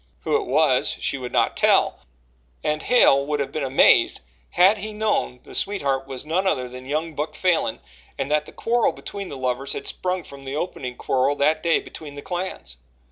Who it was, she would not tell, and Hale would have been amazed had he known the sweetheart was none other than young Buck Falin and that the quarrel between the lovers had sprung from the opening quarrel that day between the clans.